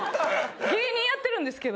芸人やってるんですけど。